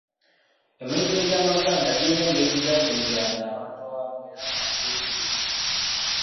Emizizo gy'Abaganda girina engeri gye gyakuumiranga abantu awamu era nga beesigika.